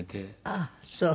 ああそう。